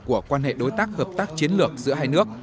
của quan hệ đối tác hợp tác chiến lược giữa hai nước